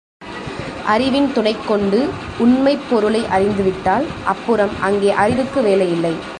அறிவின் துணைக் கொண்டு, உண்மைப் பொருளை அறிந்துவிட்டால், அப்புறம் அங்கே அறிவுக்கு வேலை இல்லை.